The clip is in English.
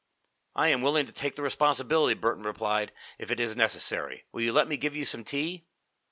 "I am willing to take the responsibility," Burton replied, "if it is necessary. Will you let me give you some tea?"